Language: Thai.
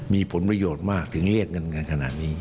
มีผลประโยชน์มากถึงเรียกเงินกันขนาดนี้